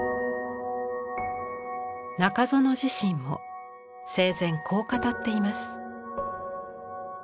中園自身も生前こう語っています。